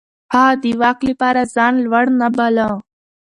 هغه د واک لپاره ځان لوړ نه باله.